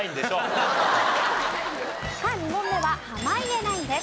さあ２問目は濱家ナインです。